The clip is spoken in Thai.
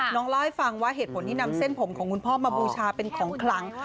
เล่าให้ฟังว่าเหตุผลที่นำเส้นผมของคุณพ่อมาบูชาเป็นของคลัง